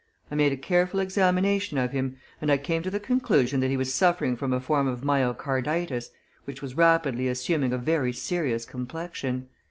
I made a careful examination of him, and I came to the conclusion that he was suffering from a form of myocarditis which was rapidly assuming a very serious complexion.